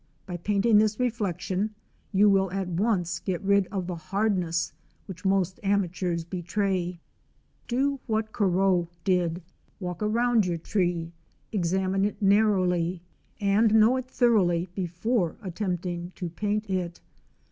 By painting this reflection you will at once get rid of the hardness which most amateurs betray. Do what Corot did. Walk round your tree, examine it narrowly, and learn to know it thoroughly before attempting to paint it.